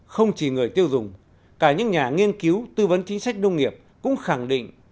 không chỉ người tiêu dùng cả những nhà nghiên cứu tư vấn chính sách nông nghiệp cũng khẳng định